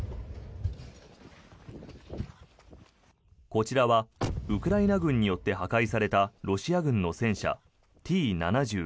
こちらはウクライナ軍によって破壊されたロシア軍の戦車Ｔ７２。